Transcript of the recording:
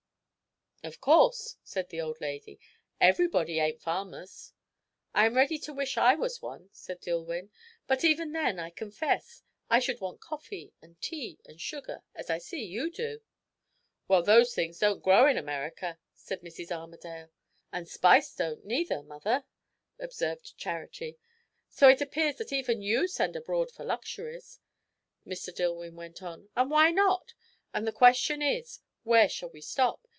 "Of course," said the old lady; "everybody ain't farmers." "I am ready to wish I was one," said Dillwyn. "But even then, I confess, I should want coffee and tea and sugar as I see you. do." "Well, those things don't grow in America," said Mrs. Armadale. "And spice don't, neither, mother," observed Charity. "So it appears that even you send abroad for luxuries," Mr. Dillwyn went on. "And why not? And the question is, where shall we stop?